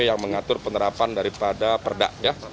yang mengatur penerapan daripada perda